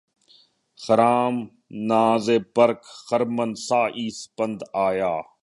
خرام ناز برق خرمن سعی سپند آیا